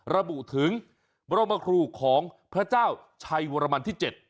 ระบุถึงบรมครูของพระเจ้าชัยวรมันที่๗